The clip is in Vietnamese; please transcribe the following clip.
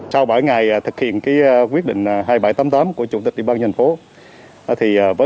sau bảy ngày thực hiện quyết định hai nghìn bảy trăm tám mươi tám của chủ tịch địa bàn nhân phố